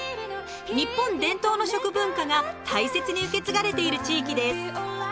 日本伝統の食文化が大切に受け継がれている地域です。